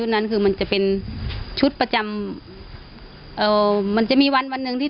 ฝันแป๊บเดียวเองค่ะ